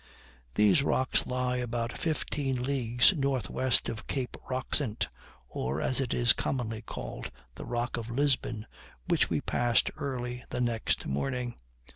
These rocks lie about fifteen leagues northwest of Cape Roxent, or, as it is commonly called, the Rock of Lisbon, which we passed early the next morning.